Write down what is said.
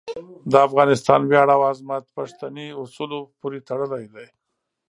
د افغانستان ویاړ او عظمت پښتني اصولو پورې تړلی دی.